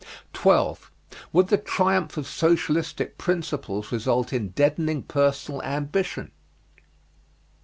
12. Would the triumph of socialistic principles result in deadening personal ambition?